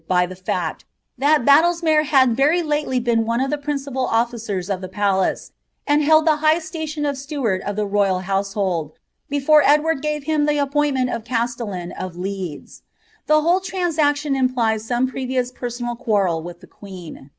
by the fftct, llint Badlesmere had tvf^ lately been one of the principal officers of the palare, and held the bigli BULtioD of steward ti> the inyal housoliutd, before Edward gave bin iht appoinimoni aa caatellan of Leeds. The whole iransaction impUeewBe previous peraonal quarrel with the queen.